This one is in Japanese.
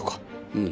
うん。